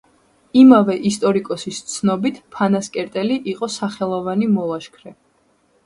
იმავე ისტორიკოსის ცნობით, ფანასკერტელი იყო სახელოვანი მოლაშქრე.